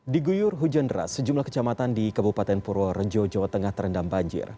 di guyur hujan deras sejumlah kecamatan di kabupaten purworejo jawa tengah terendam banjir